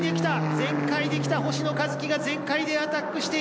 全開で来た星野一樹が全開でアタックしている。